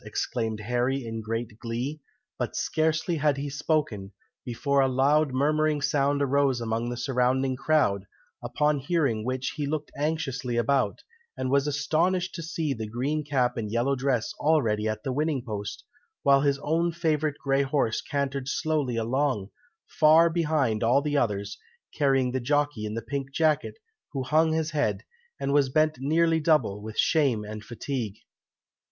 exclaimed Harry in great glee; but scarcely had he spoken, before a loud murmuring sound arose among the surrounding crowd, upon hearing which he looked anxiously about, and was astonished to see the green cap and yellow dress already at the winning post, while his own favourite grey horse cantered slowly along, far behind all the others, carrying the jockey in the pink jacket, who hung his head, and was bent nearly double, with shame and fatigue.